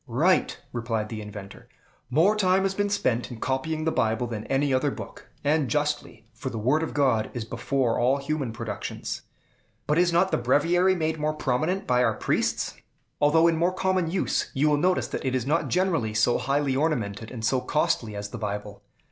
"Right," replied the inventor; "more time has been spent in copying the Bible than any other book, and justly; for the Word of God is before all human productions." "But is not the Breviary made more prominent by our priests?" "Although in more common use, you will notice that it is not generally so highly ornamented and so costly as the Bible.